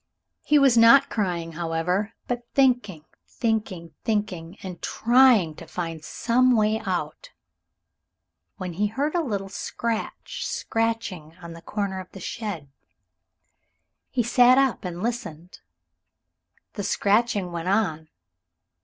He was not crying, however, but thinking, thinking, thinking, and trying to find some way out, when he heard a little scratch, scratching on the corner of the shed. He sat up and listened. The scratching went on.